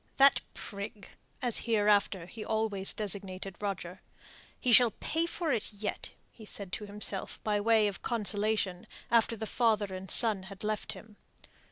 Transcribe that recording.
"That prig," as hereafter he always designated Roger "he shall pay for it yet," he said to himself by way of consolation, after the father and son had left him.